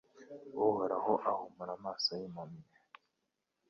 Uhoraho ahumura amaso y’impumyi